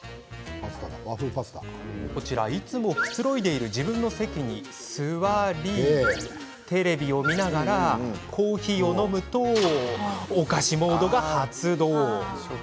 いつも、くつろいでいる自分の席に座りテレビを見ながらコーヒーを飲むとお菓子モードが発動。